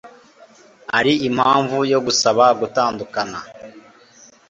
ari impamvu yo gusaba gutandukana